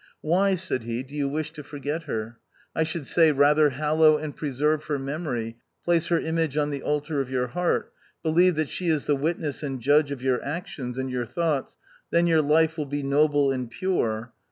" Why," said he, " do you wish to forget her ? I should say, rather hallow and pre serve her memory, place her image on the altar of your heart ; believe that she is the witness and judge of your actions and youi thoughts ; then your life will be noble and • pure.